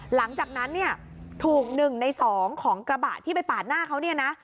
หลังจากนั้นเนี่ยถูก๑ใน๒ของกระบะที่ไปปาดหน้าเขาเนี่ยนะ